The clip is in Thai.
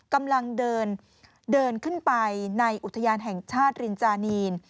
กำลังเดินขึ้นไปในอุทยานแห่งชาติรินจานีน